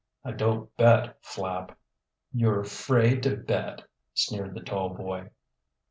"I don't bet, Flapp." "You're afraid to bet," sneered the tall boy.